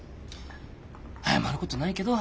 謝ることないけど。